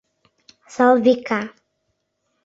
Салвика.